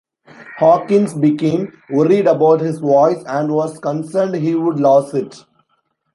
Hawkins became worried about his voice and was concerned he would lose it.